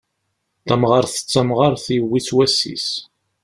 Tamɣart d tamɣart, yewwi-tt wass-is.